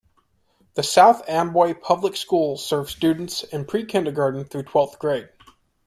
The South Amboy Public Schools serve students in pre-kindergarten through twelfth grade.